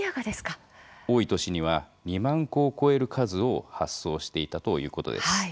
多い年には２万個を超える数を発送していたということです。